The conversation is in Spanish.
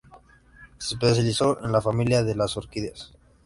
Se especializó en la familia de las orquídeas.